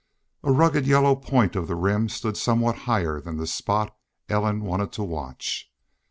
A rugged yellow point of the Rim stood somewhat higher than the spot Ellen wanted to watch.